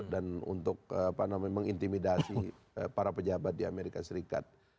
dan untuk apa namanya mengintimidasi para pejabat di amerika serikat